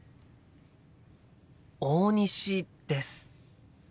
大西です。